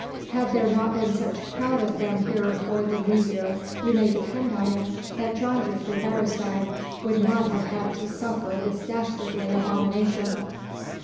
Had there not been such a crowd of them here for the New Year you may depend on it that Jongejuffrouw Beresteyn would not have had to suffer this dastardly abomination."